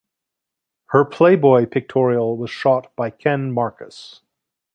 Her "Playboy" pictorial was shot by Ken Marcus.